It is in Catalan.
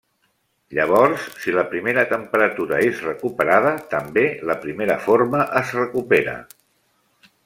Llavors, si la primera temperatura és recuperada, també la primera forma es recupera.